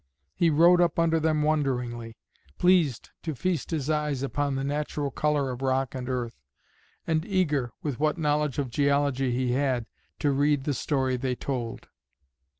He rode up under them wonderingly, pleased to feast his eyes upon the natural colour of rock and earth, and eager, with what knowledge of geology he had, to read the story they told.